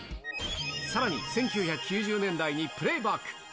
さらに、１９９０年代にプレイバック！